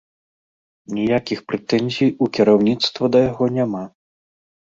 Ніякіх прэтэнзій у кіраўніцтва да яго няма.